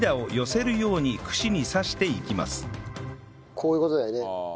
こういう事だよね？